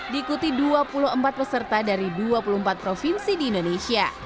diikuti dua puluh empat peserta dari dua puluh empat provinsi di indonesia